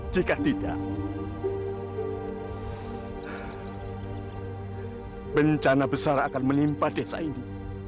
jika tidak bencana besar akan menimpa desa ini